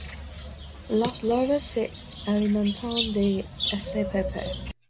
Las larvas se alimentan de spp.